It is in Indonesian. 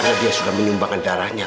karena dia sudah menyumbangkan darahnya